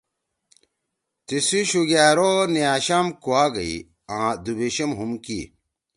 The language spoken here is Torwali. تیِسی شُوگأر او نیاشام کوا گئی آں دُوبیشم ہُم کی۔